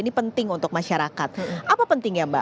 gambar yang anda saksikan saat ini adalah